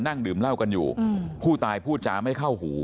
นั่งดื่มเหล้ากันอยู่ผู้ตายพูดจาไม่เข้าหู